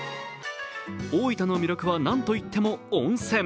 大分の魅力はなんといっても温泉。